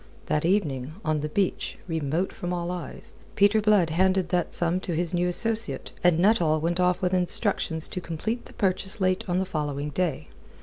That evening, on the beach, remote from all eyes, Peter Blood handed that sum to his new associate, and Nuttall went off with instructions to complete the purchase late on the following day.